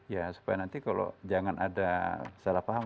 ya supaya nanti kalau jangan ada salah paham